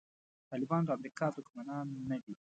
طالبان د امریکا دښمنان نه دي.